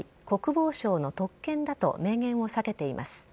国防省の特権だと明言を避けています。